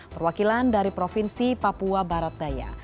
perwakilan dari provinsi papua barat daya